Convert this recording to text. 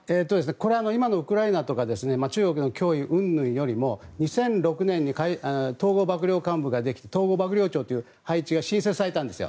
これ、今のウクライナとか中国の脅威うんぬんよりも２００６年に統合幕僚監部ができて統合幕僚長という配置が新設されたんです。